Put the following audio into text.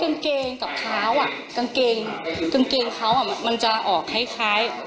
กางเกงกับเท้าอ่ะกางเกงกางเกงเขาอ่ะมันจะออกคล้ายคล้าย